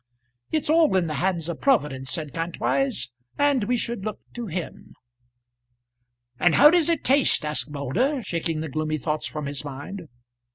"It's all in the hands of Providence," said Kantwise, "and we should look to him." "And how does it taste?" asked Moulder, shaking the gloomy thoughts from his mind.